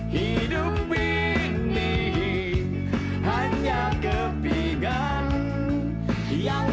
hidup ini hanya kepingan